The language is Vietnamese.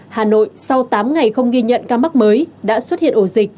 hà nội sau tám ngày không ghi nhận ca mắc mới